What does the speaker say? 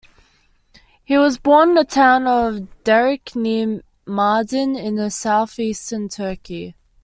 He was born in the town of Derik near Mardin in south-eastern Turkey.